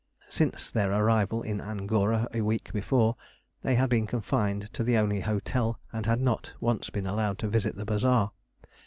Since their arrival in Angora a week before, they had been confined to the only hotel and had not once been allowed to visit the bazaar.